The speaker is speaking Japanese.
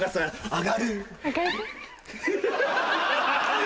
上がる。